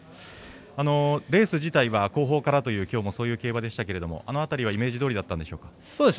レース自体は後方からというきょうも、そういう競馬ですがあの辺りは、そういうイメージだったんでしょうか？